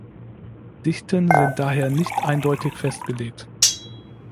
Dichten sind daher nicht eindeutig festgelegt.